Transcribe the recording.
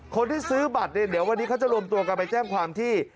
คนที่ซื้อบัตรเนี่ยเดี๋ยววันนี้เขาจะรวมตัวกันไปแจ้งความที่